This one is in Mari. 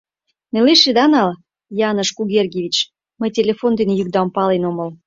— Нелеш ида нал, Яныш Кугергевич, мый телефон дене йӱкдам пален омыл.